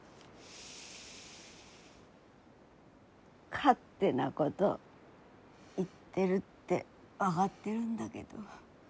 勝手なごど言ってるって分がってるんだけど。